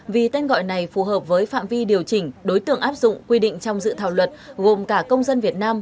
vì tên gọi này phù hợp với phạm vi điều chỉnh đối tượng áp dụng quy định trong dự thảo luật gồm cả công dân việt nam